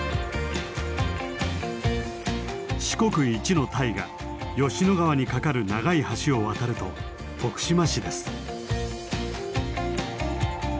四国一の大河吉野川に架かる長い橋を渡ると徳島市です。